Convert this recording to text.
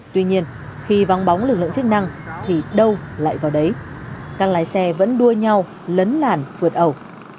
tuy nhiên khi vắng bóng lực lượng chức năng thì đâu lại vào đấy các lái xe vẫn đua nhau lấn làn vượt ẩu